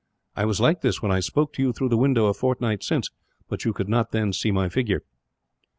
I was like this when I spoke to you through the window a fortnight since, but you could not then see my figure.